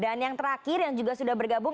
dan yang terakhir yang juga sudah bergabung